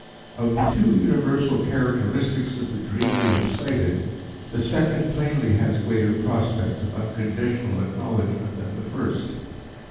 Of the two universal characteristics of the dream we have cited, the second plainly has greater prospects of unconditional acknowledgment than the first.